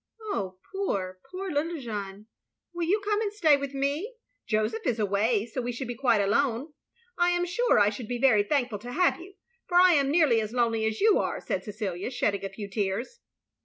" Oh, poor, poor, little Jeanne. Will you come and stay with me? Joseph is away, so we shotdd be quite alone. I am sure I should be very thank ful to have you, for I am neariy as lonely as you are, *' said Cecilia, shedding a few tears.